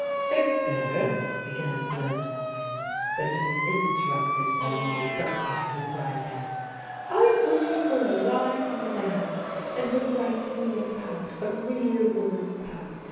"Shakespeare," began Blenheim; but he was interrupted by Mrs. Duncan who cried out: "I wish he were alive now and would write me a part, a real woman's part.